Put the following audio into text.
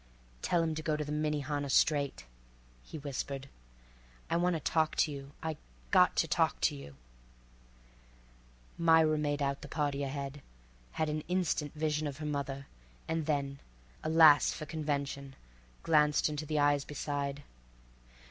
"Tell him to go to the Minnehaha straight," he whispered. "I wanta talk to you—I got to talk to you." Myra made out the party ahead, had an instant vision of her mother, and then—alas for convention—glanced into the eyes beside.